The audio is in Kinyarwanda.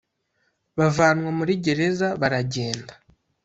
bavanwa muri gereza baragenda